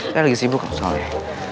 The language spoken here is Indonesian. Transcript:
saya lagi sibuk soalnya